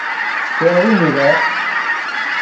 Well, we knew that.